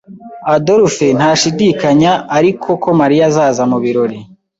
Adolphe ntashidikanya ariko ko Mariya azaza mubirori.